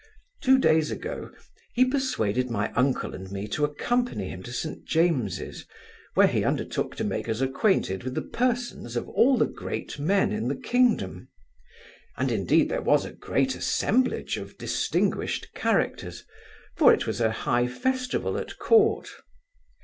Two days ago, he persuaded my uncle and me to accompany him to St James's, where he undertook to make us acquainted with the persons of all the great men in the kingdom; and, indeed, there was a great assemblage of distinguished characters, for it was a high festival at court.